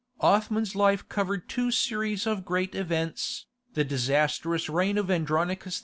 Othman's life covered two series of great events, the disastrous reign of Andronicus II.